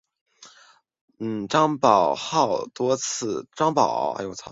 张保皋多次与敌对的李道行和紫薇夫人的商团进行商业上的争夺。